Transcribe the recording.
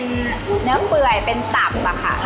และเนื้อเปื่อยเป็นต่ำ